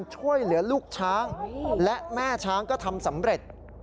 ช่วยเหลือลูกช้างและแม่ช้างก็ทำสำเร็จ